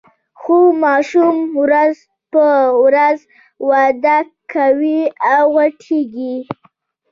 خو ماشوم ورځ په ورځ وده کوي او غټیږي.